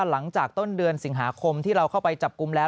หลังจากต้นเดือนสิงหาคมที่เราเข้าไปจับกลุ่มแล้ว